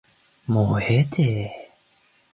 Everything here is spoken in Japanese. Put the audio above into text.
もうええて